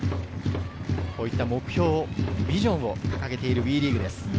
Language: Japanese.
こういった目標、ビジョンを掲げているＷＥリーグです。